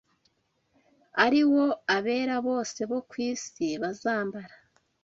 ari wo abera bose bo ku isi bazambara